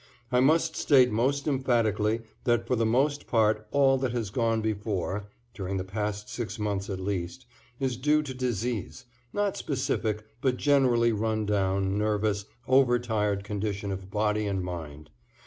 I must state most emphatically that for the most part all that has gone before (during the past six months at least) is due to disease; not specific, but generally run down, nervous, over tired condition of body and mind.